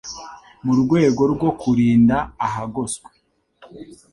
Mu rwego rwo kurinda ahagoswe,